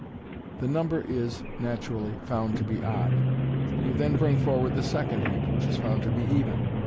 The number is, naturally, found to be odd. You then bring forward the second heap, which is found to be even.